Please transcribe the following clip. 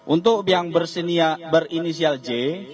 untuk yang berinisial j